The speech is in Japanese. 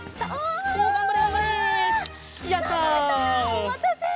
おまたせ。